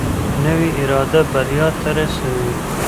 نوې اراده بریا ته رسوي